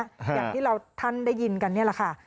อย่างที่เราท่านได้ยินกันนี่แหละค่ะ